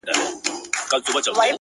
نه !نه محبوبي زما!